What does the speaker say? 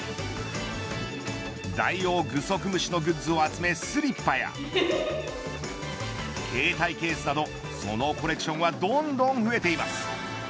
ダイオウグソクムシのグッズを集めスリッパや携帯ケースなどそのコレクションはどんどん増えています。